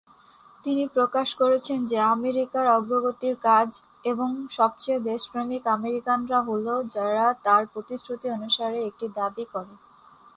তিনি প্রকাশ করেছেন যে "আমেরিকা অগ্রগতির কাজ, এবং সবচেয়ে দেশপ্রেমিক আমেরিকানরা হ'ল যারা তার প্রতিশ্রুতি অনুসারে এটি দাবি করে।"